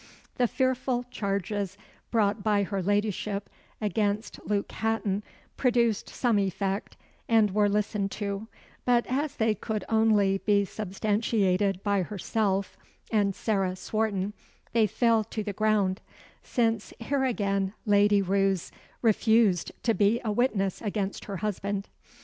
The fearful charges brought by her ladyship against Luke Hatton produced some effect, and were listened to; but, as they could only be substantiated by herself and Sarah Swarton, they fell to the ground; since here again Lady Roos refused to be a witness against her husband.